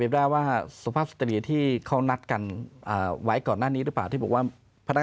แล้วมันติดกันเขตมันติดกัน